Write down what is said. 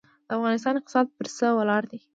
د افغانستان اقتصاد پر څه ولاړ دی؟